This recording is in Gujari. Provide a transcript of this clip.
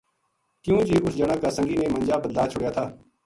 کیوں جی اس جنا کا سنگی نے منجا بدلا چھوڈیا تھا